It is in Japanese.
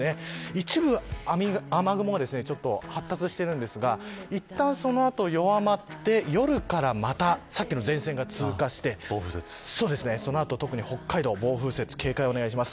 一部、雨雲が発達しているんですがいったん、その後弱まって夜からまた、さっきの前線が通過してそのあと特に北海道暴風雪に警戒をお願いします。